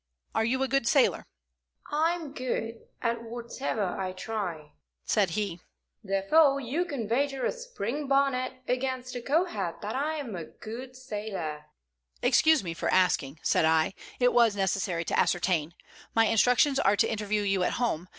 Are you a good sailor?" "I'm good at whatever I try," said he. "Therefore you can wager a spring bonnet against a Kohat that I am a good sailor." "Excuse me for asking," said I. "It was necessary to ascertain. My instructions are to interview you at home.